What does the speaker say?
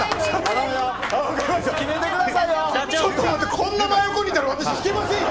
こんな真横にいたら私は引けませんよ！